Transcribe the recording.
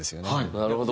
なるほど。